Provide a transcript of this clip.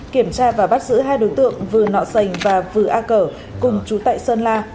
kiểm tra và bắt giữ hai đối tượng vừa nọ sành và vừa a cờ cùng chú tại sơn la